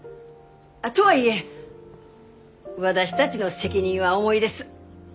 あっとはいえ私たぢの責任は重いです。